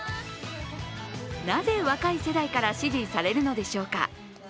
なぜ若い世代から支持されるのでしょうか。